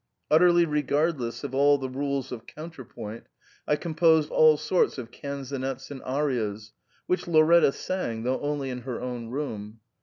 Utterly regardless of all the rules of counterpoint, I composed all sorts of canzonets and arias, which Lau retta sang, though only in her own room.